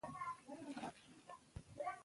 احمدشاه بابا د ملي احساس یوه ژوندي نښه وه.